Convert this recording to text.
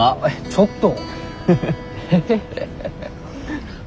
ちょっと！